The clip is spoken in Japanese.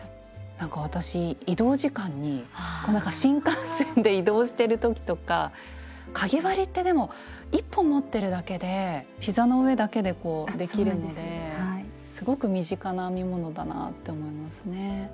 なんか私移動時間に新幹線で移動してる時とかかぎ針ってでも１本持ってるだけでひざの上だけでこうできるのですごく身近な編み物だなぁって思いますね。